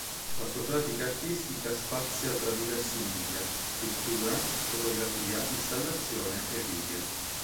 La sua pratica artistica spazia tra diversi media: pittura, fotografia, installazione e video.